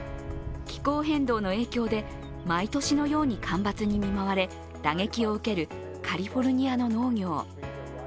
気候変動の影響で、毎年のように干ばつに見舞われ打撃を受けるカリフォルニアの農業。